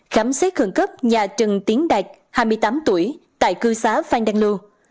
khám xét khẩn cấp nhà trần tiến đạt hai mươi tám tuổi tại cư xá phan đăng lô